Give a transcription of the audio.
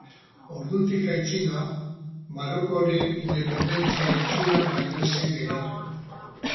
Ordutik aitzina, Marokoren independentzia itxuran baino ez zen geratu.